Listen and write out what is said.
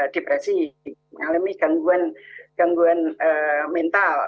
depresi mengalami gangguan mental